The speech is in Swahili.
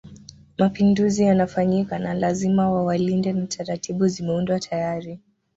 Mapinduzi yanafanyika na lazima wawalinde na taratibu zimeundwa tayari